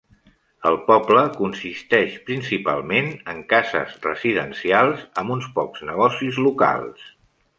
El poble consisteix principalment en cases residencials, amb uns pocs negocis locals.